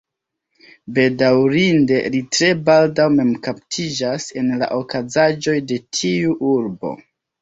Bedaŭrinde, li tre baldaŭ mem kaptiĝas en la okazaĵoj de tiu urbo.